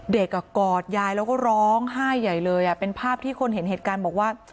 กอดยายแล้วก็ร้องไห้ใหญ่เลยเป็นภาพที่คนเห็นเหตุการณ์บอกว่า